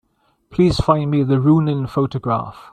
Please find me the Rounin photograph.